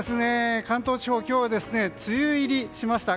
関東地方今日は梅雨入りしました。